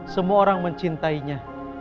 semua orang mencintainya